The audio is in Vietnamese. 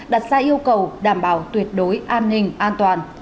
đặt ra yêu cầu đảm bảo tuyệt đối an ninh an toàn